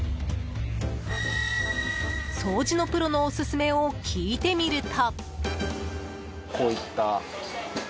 掃除のプロのオススメを聞いてみると。